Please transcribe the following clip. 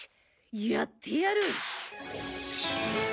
やってやる！